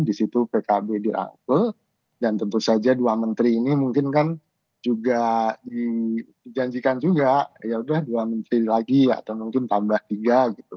di situ pkb dirangkul dan tentu saja dua menteri ini mungkin kan juga dijanjikan juga yaudah dua menteri lagi atau mungkin tambah tiga gitu